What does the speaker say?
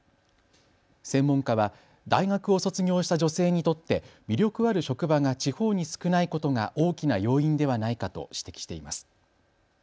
専門家は大学を卒業した女性にとって魅力ある職場が地方に少ないことが大きな要因ではないかと指摘しています。